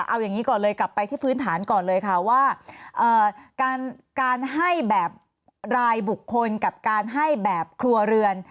เอาอย่างนี้ก่อนเลยกลับไปที่พื้นฐานก่อนเลยค่ะว่าการให้แบบรายบุคคลกับการให้แบบครัวเรือน